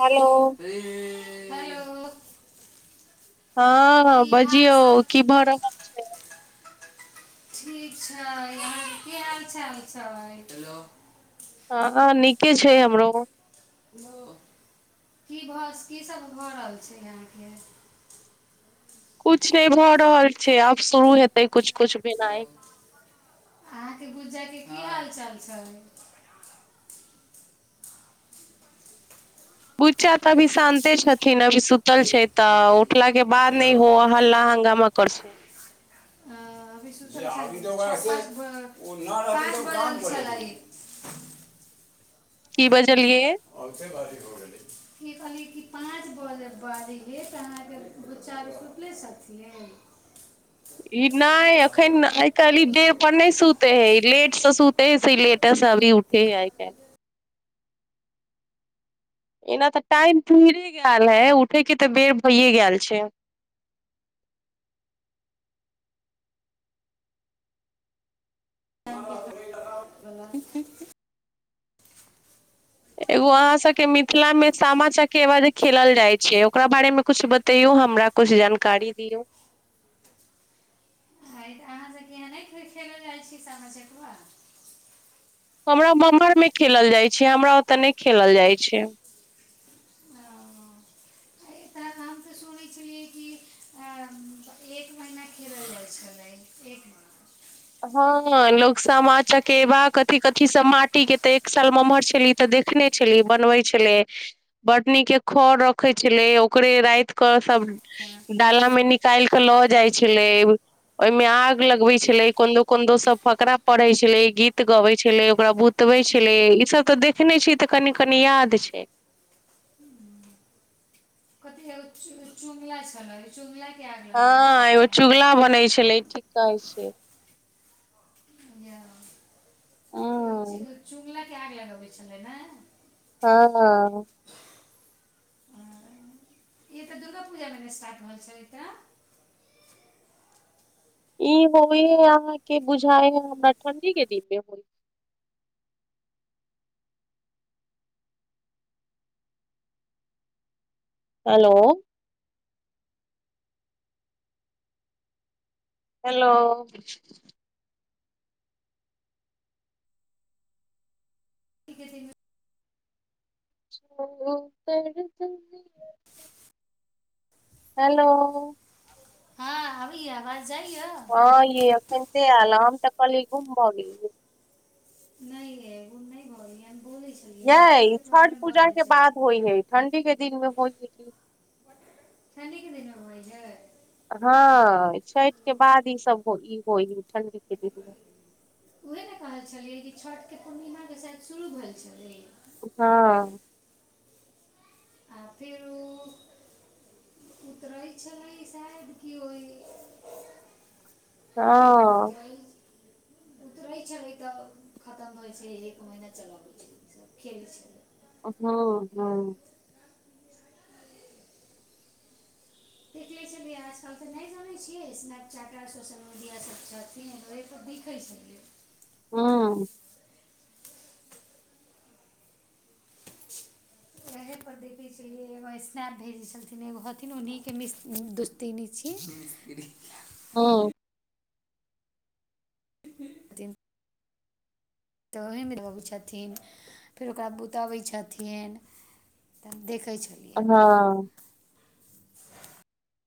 Hello र hello हँ की हाल सब बजियउ कि भर ह ठीक छै की ह ल चाल छय हँ नीके छै हमरो की भऽ की सब भऽ रहल छै यहाँके कुछ नहि भऽ रहल छै आब शुरू हेतै त किछुछु ह अहाँके गुज्जा के की हाल चाल छय बुच्चा तऽ अभी जी शान्ते छथिन अभी सुतल ये छय तऽ आंटी जी उठला के बाद हेलो न हो अ, हल्ला हंगामा करस [inaudible] की बजलियइ कह पाँचबाज दूच चार रु रुपले थियए ई नय अखन आइ काल ई देह पर नहि सु ते है लेट त सुत है से लेटस अभी उठे है आइ कऽ एना तऽ टाइम पुरे गेल है उठे के ते बेर भैे गेल छय [inaudible] एगो अहाँ सबके मिथिला मे सामा चकेवाद जे खेलल जाइ छै ओकरा बारे में कुछ बता तैयो हमरा कुछ जानकारी दियौ अहाँसभके यहाँ नय खेलऽ जाइ छी सामा चकेबा हमरा मम्हर में खेलल जाइ छै हमरा ओते नहि खेलल जाइ छै ओ, [inaudible] हइ तऽ हम तऽ सुनै छलियै कि एक महीना खेल छलै एक महीना हँ लोग सामा चकेवाथी कथी सब माटी के ते एक साल में उम्हर छली तऽ देखने छलियै बनबै छलै बटनी के खर रखे छलै ओकरे रात कऽ सब डाला मे निकाल केऽ लऽ जाइ छलै ओहि में आग लगबै छलै कोन दो कोन दो सब फकरा पढ़े छले गीत गबे छले ओकरा बुतवे छले ई सब तऽ देख देखने छी तऽ कनी कनी याद छै कथी हे छु चुगिया छलय चुगिया हँ एगो चुगला बनै छलै ठीक कहै छय य हँ चुगलाके आगि लगबै छलै ने हँ ई तऽ दुर्गा पूजा मे स्टार्ट भेल छय ई होइ है अहाँ के बुझााय है हमरा ठणडी के दीप मे होइ हेलो हेलो [unintelligible] [inaudible] [inaudible] हेलो हँ आबै आवाज जाइए हँ य अखनते ऐल है हम त कहलिए गुंबो भ गेलिए नहि ए गुंब न भेलिए बोले छी ये छठ पूजा के बाद होइ हे ठंडी के दिन मे होइ ह तनीक दिन मे [unintelligible] हँ छठ बाद ईसभ हो ई होइ ह ठण्डीके दिनमे उएहे ने कहल छलियै कि छठ के पूर्णिमा के शयद शुरू भेल छलै हँ आ फिर उ [unintelligible] उतरै छलै शायद कि ओहि हँ [unintelligible] [inaudible] उतरै छलै तऽ खतम होइ छै एक महीना चल खेल छल [inaudible] देख लै [inaudible] आजकल तऽ नहि जानै छियै स्नैप चैट सोशल मीडिया सब छथिन वहां पर देखै छलियै [inaudible] वहे पर देखे छ एगो स्नैप भेजे छलन एगो हथिन उन्ही के मि ति नि छिय [inaudible] [inaudible] तऽ ओहमे [unintelligible] छथिन फेर ओकरा बुतबै छथिन तब देखै छै हँ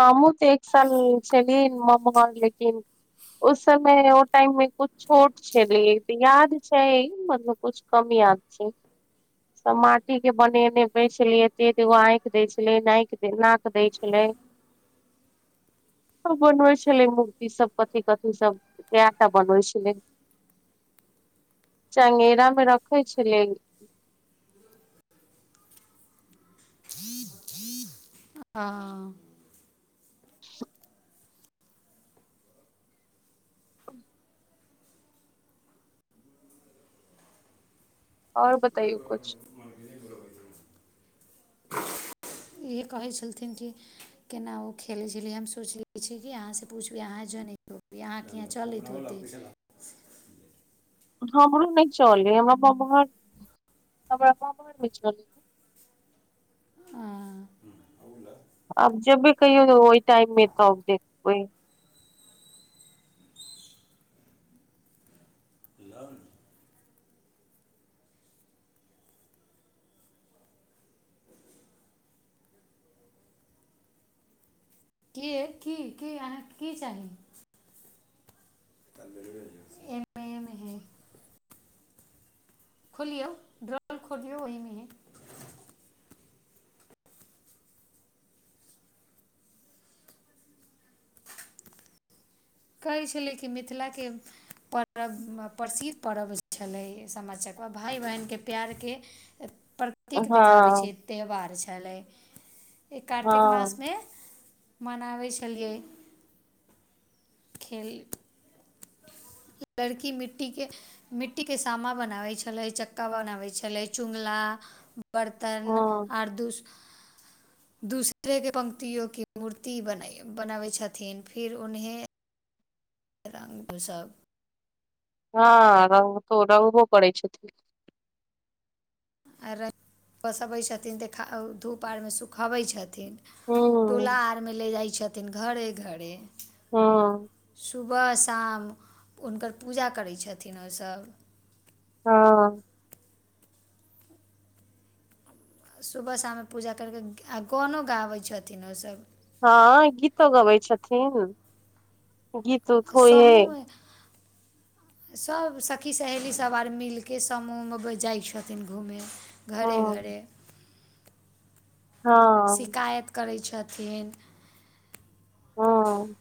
ह मूँ तऽ एक साल छलिए [unintelligible] उस समय ओ टाइम मे कुछ छोट छैल याद छै मतलब कुछ कम याद छै सब माटी के बनेने छलिय एते एगो आँखि दय छले नाक दय छले सब बनबै छलै मूर्ति सब कथी कथी सब कैटा बनबै छलै चंगेरा मे रखैै छलियै [inaudible] [inaudible] और बताइयों कुछ [inaudible] इएहे कहै छलथिन कि केना ओ खेलै छलै हम सोचले छी कि अहाँसँ पूछबी अहाँ जनत यहाँ के यहाँ चलैत होतै [inaudible] हमरो नहि चलै हमरा ममहर हमरा ममहर नहि चल [unintelligible] हँ अब जबे कहियौ वहि टाइम मे तब देखबै [inaudible] कि की अहाँ के की चाही एन खोलियौ ड्रल खोलियौ ओहि में कहय छलै कि मिथिलाके पर्व प्रसिद्ध पर्व छलय सामा चकेवा भाई बहिनके प्यारके पर हँ कतीक देखाबै छ हँ त्यौहार छलै ई कार्तिक मास हँ में मनाबय छलियै खेल लड़की मिट्टी के मिट्टीके सामा बनाबय छलै चक्का बनाबै छलै चुगला बर्तन हँ ओर दु दूसरे के पंक्तियों के मूर्ति बनाबय छथिन फिर उन्हे रङ्ग पोशाक हँ रंग त रंगबो पड़ै छय [unintelligible] आ पोसबैत छथिन देख धूप आर मेंसुखाबैत छथिन छथिन टोला हूँ आर में ले जाइ छथिन घरे घरे हँ सुबह शाम हुनकर पूजा करय छथिन ओसभ हाँ सुबह शाममे पूजा करि कऽ आ गानो गाबै छथिन ओसब हँ गीतो गबय छथिन गीत उत होइ हे समूहमे सभ सखी सहेलीसभ आर मिलि कऽ समूह में जाइ छथिन घूमय हँ घरे घरे हँ शिकायत करै छथिन हँ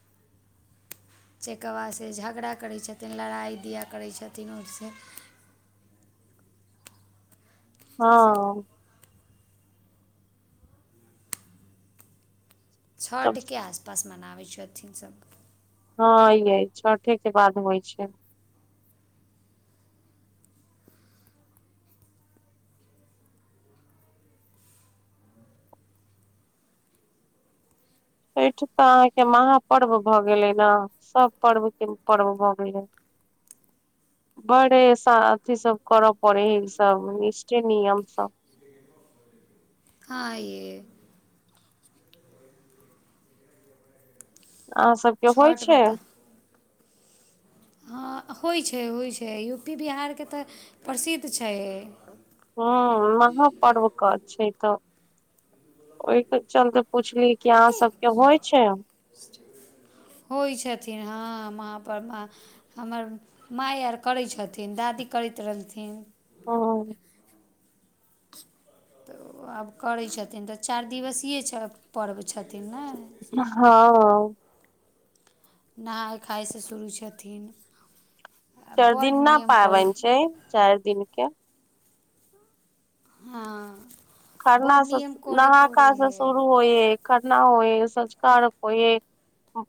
चकेबासँ झगड़ा करै छथिन लड़ाइ दिया करैत छथिन ओहिसँ हँ तब छठके आसपास मनाबैत छथिन सभ हँ यै छठे के बाद होइ छय एहिठ तऽ अहाँके महापर्व भए गेले ने सब पर्व के पर्व भए गेलै [inaudible] बड़े अथ सब कर पड़े ई सब निष्ठे नियम सब हाँ ये अहा सब छठ मे तऽ हँ होइ छै होइ छै यू पी बिहारके तऽ प्रसिद्ध छय ह महापर्वके छै तऽ ओहिके चलते पुछली कि अहाँ सबके होइ छय होइ छथिन हँ महापर्व माँ हमर मइ आर करै छथिन दादी करैत रहलथिन ओ तऽ आब करै छथिन तऽ चारि दिवसीय पर्व छथिन ने हँ नहाय खायासँ शुरू छथिन आ चारि दिन बड्ड न नियम करय पाबनि छै चाइर दिनक के हाँ खरनासँ स नहा खा स हइ शुरू होए है खरना होइ संझका अरग होए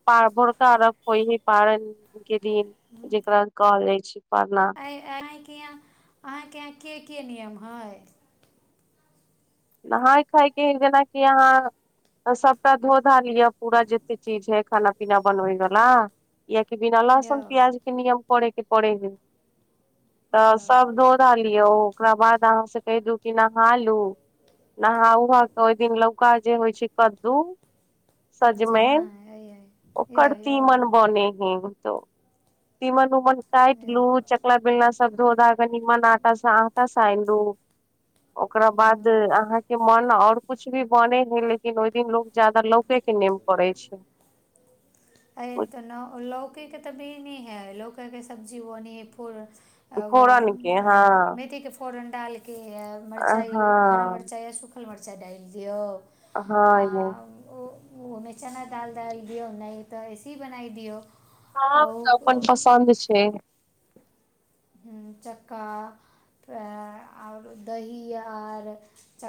प भोरका अरघ होइ ही पारण के दिन जेकरा [unintelligible] परना हये यहाँ अहाँके यहाँ के के नियम है नहाय खायके जेनाकि आहाँ त सभटा धो धा लिअ पूरा जतेक चीज है खाना पीना बनबै बला कियाकि बिना यौ लहसुन प्याज के नियम करे के पड़े ह तऽ यौ सब धोत [unintelligible] लियौ ओकरा बाद अहाँ से कहि दू की नहा लू नहा उहा के ओहि दिन लौका जे होइ छै कद्दू ज- हँ सजमैन अइ अइ यौ ओकरत यौ तिमन बनै हइ तीमन उमन कैट यौ लू चकला बेलना सब धो धाके कनी मान अ आटा स आटा सैन लु ओकरा बाद ओ। आंहा के मन आऔर कुछ भी बने है लेकिन ओहि दिन लोग जादा लौके के नेम पड़े छै एहि तऽ न लौके के तऽभी नहि हइ लौकेके सब्जी बोने हइ फूल फोरन के हँ [unintelligible] मेथीके [unintelligible] फोरन डालिके य मरचाइ हरा हँ मिरचाइ या सूखल मरचाइ डालि दिऔ हँ ये आओर ओ ओहोमे चना दाल डालि दिऔ नहि तऽ ऐसे बनाइ दियौ हँ तऽ अपन आओर पसन्द छै चक्का त ओर दही आर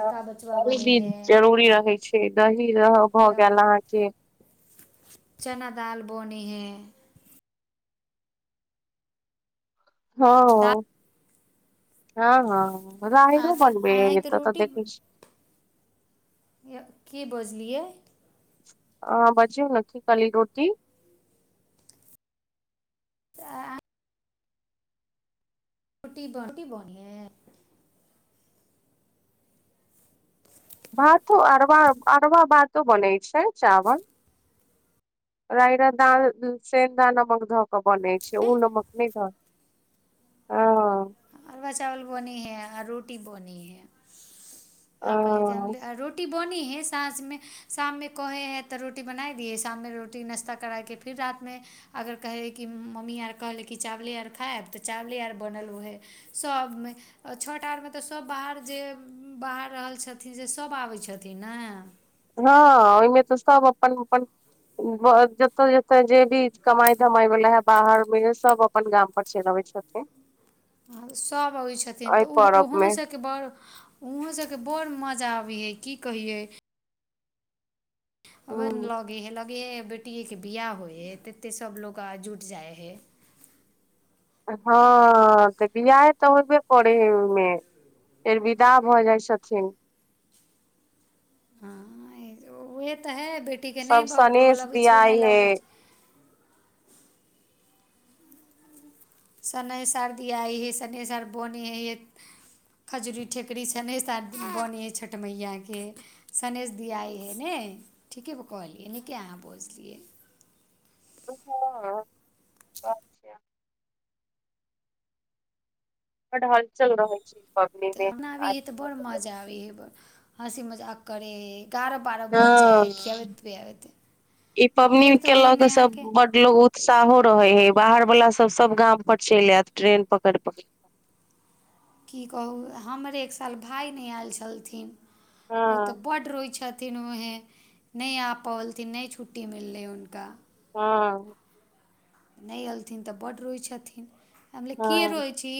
ह बचबा दही बनै दिन हइ जरूरी रहै छै दही रह भऽ या गेल अहाँके चना दाल बोनै है हँ दालि हँ हँ राहरो बनबै अहाँ ह तऽ तऽ रोटी देखै छी य के बजलियै आँह बाजियो न की काली रोटी आ [unintelligible] रोटी रोटी बनीहे भात अरवा अरवा भातो बने छै चावल रायरा द सेंन्दा नमक धऽ के बनै छै हइ ओ नमक नहि ध ह अरवा चावल बनी है आ रोटी बनी है आ कहली हँ त रोटी बोनी है साँझमे शाममे कोहे है तऽ रोटी बनाई दी है शाममे रोटी नाश्ता कराके फिर रातमे अगर कहै हइ कि मम्मी आर कहलै कि चावले आर खायब तऽ चावले आर बनल ओएहे सभमे आ छठ आरमे तऽ सभ बाहर जे बाहर रहल छथिन से सभ आबैत छथिन ने हँ ओहिमे तऽ सब अपन अपन जते जते जे भी कमाई धमाई वाल है बाहर मे सब अपन गाम छै नबै छथिन सभ अबैत छथिन एहि तऽ ओ परब मे ओहोसँ बड़ उहों सबके बड़ मजा आबी हे की कहियै आबे ह लगे हे लगे हे बेटिके बिआह होइ है तते सभ लोग आ जुटि जाइ हे हँ तऽ बियाहे तऽ होइबे करेहे ओइ मे [unintelligible] द भऽ जाइ छथिन उएह तऽ हइ बेटीके नहि सब सनेेश बोलबैत छियै नहि दियाइ हे लबैत छ सने सर दआइ हइ सने सर बनै हइ हइ खजूरी टिकुरी छ नहि सं बनै हइ छठ मैैयाके शनेेश दियाई हइ ने ठीके कहलियै नीके अहाँ बजलियइ हँचछा बड हलचल रहै छय तऽ अपनाबै हियै तऽ बड़ मजा आबै हँसी मजाक करैत हय गयारह बारह बज जाई हइ हँ खिआबैत पिआबैत ई आओ पबनी फेर तऽ के ओहि लऽ में के सब अहाँके बड लोग उतसाहो रहे हें बाहर वला सब सब गाम पर चलि आयत ट्रेन पकड़ पकड़ की कहू हमरे एक साल भाय नहि आयल छलथिन ओ तऽ हँ बड रोइ छथि किनो उहे नहि आब पलथिन नय छुट्टी मिललै हुनका हाँ नय एलथिन तऽ बड रोय छथिन हम ले कि हँ रोये छी